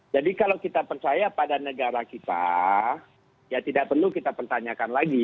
jadi kalau kita percaya pada negara kita ya tidak perlu kita pertanyakan lagi